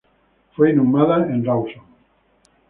Fue inhumada en Rawson.